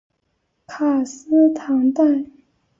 卡斯唐代。